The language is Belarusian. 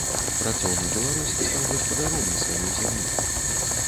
Працоўны беларус стаў гаспадаром на сваёй зямлі.